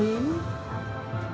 tiga dua satu